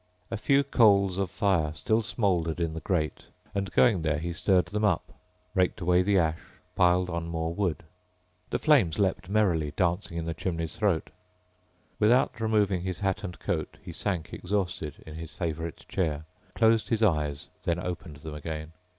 A few coals of fire still smouldered in the grate and going there, he stirred them up, raked away the ash, piled on more wood. The flames leaped merrily, dancing in the chimney's throat. Without removing his hat and coat, he sank exhausted in his favorite chair, closed his eyes then opened them again.